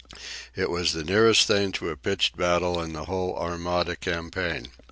It was the nearest thing to a pitched battle in the whole Armada campaign.